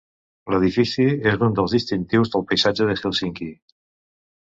L'edifici és un dels distintius del paisatge de Hèlsinki.